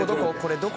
どこ？